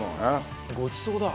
ごちそうだ。